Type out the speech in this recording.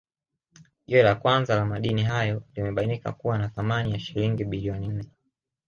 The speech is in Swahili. Jiwe la kwanza la madini hayo limebainika kuwa na thamani ya shilingi bilioni nne